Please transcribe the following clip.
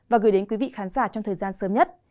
và gửi đến quý vị khán giả trong thời gian sớm nhất